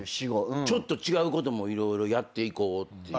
ちょっと違うことも色々やっていこうっていう。